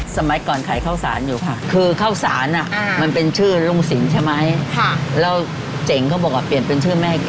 สมัยก่อนไข่ข้าวสานอยู่ค่ะ